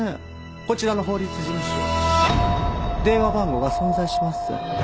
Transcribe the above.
こちらの法律事務所電話番号が存在しません。